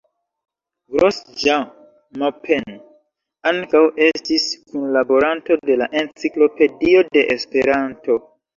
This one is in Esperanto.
Grosjean-Maupin ankaŭ estis kunlaboranto de la Enciklopedio de Esperanto.